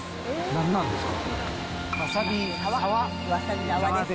何なんですか？